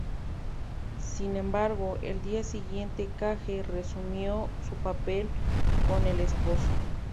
Sin embargo, al día siguiente Cage reasumió su papel como el de esposo.